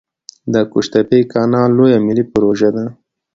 د قوش تیپې کانال لویه ملي پروژه ده